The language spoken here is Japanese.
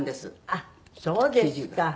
あっそうですか。